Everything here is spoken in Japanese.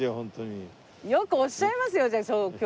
よくおっしゃいますよねそう。